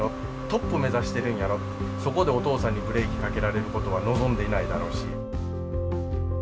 トップを目指してるんやろそこでお父さんにブレーキをかけられることは望んでいないだろうし。